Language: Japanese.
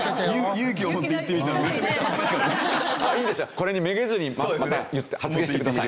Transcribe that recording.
これにめげずにまた発言してください。